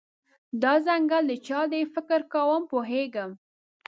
دا ځنګل د چا دی، فکر کوم پوهیږم